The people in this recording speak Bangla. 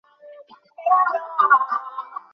বিনয় ইহার উত্তর দিতে যাইতেছিল।